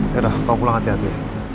yaudah kamu pulang hati hati